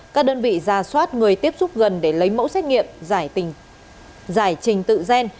các đơn vị ra soát người tiếp xúc gần để lấy mẫu xét nghiệm giải trình tự gen